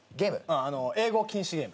英語禁止ゲーム。